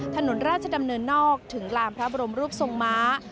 ถนนราชดำเนินนอกถึงลานพระบรมรูปทรงม้า